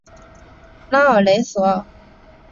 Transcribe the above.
拉尔雷索尔。